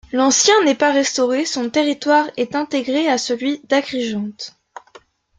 L'ancien n'est pas restauré son territoire est intégré à celui d'Agrigente.